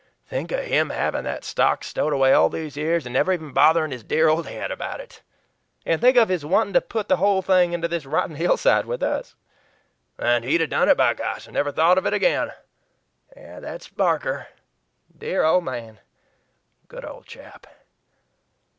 "Think of him having that stock stowed away all these years and never even bothering his dear old head about it!" "And think of his wanting to put the whole thing into this rotten hillside with us!" "And he'd have done it, by gosh! and never thought of it again. That's Barker." "Dear old man!" "Good old chap!"